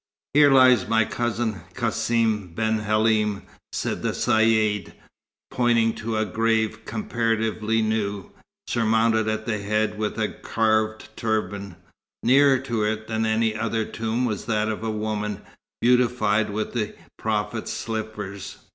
"Here lies my cousin, Cassim ben Halim," said the Caïd, pointing to a grave comparatively new, surmounted at the head with a carved turban. Nearer to it than any other tomb was that of a woman, beautified with the Prophet's slippers.